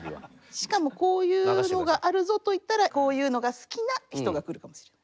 しかもこういうのがあるぞといったらこういうのが好きな人が来るかもしれない。